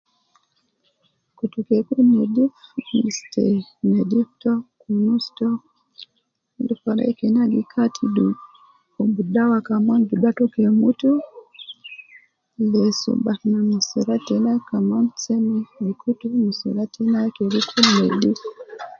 Kutu ke kun nedif fi ste nedif to kunus to dukur walai kena gi Kati wu dawa kaman duda to mutu lesu batna mustura kaman seme gi kutu mustura tena kede kun nedifu